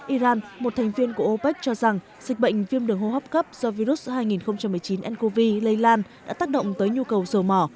iran một thành viên của opec cho rằng dịch bệnh viêm đường hô hấp cấp do virus hai nghìn một mươi chín ncov lây lan đã tác động tới nhu cầu dầu mỏ